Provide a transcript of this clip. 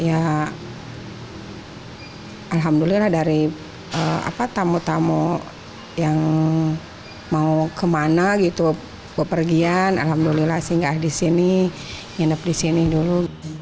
ya alhamdulillah dari tamu tamu yang mau kemana gitu bepergian alhamdulillah singgah di sini nginep di sini dulu